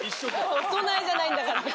お供えじゃないんだから。